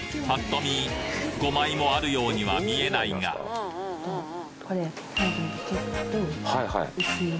パッと見５枚もあるようには見えないがほぉ。